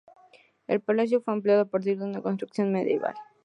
El palacio fue ampliado a partir de una construcción medieval.